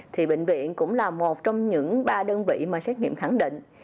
thì bệnh viện cũng là một trong những ba đơn vị mà xét nghiệm khẳng định